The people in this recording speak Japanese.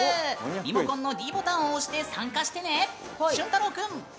リモコンのｄボタンを押して参加してね。